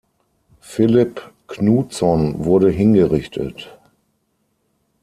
Filipp Knutsson wurde hingerichtet.